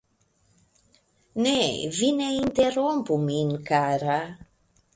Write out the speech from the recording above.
Ne, vi ne interrompu min, kara !